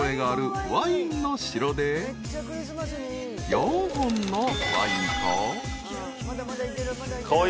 ［４本のワインと］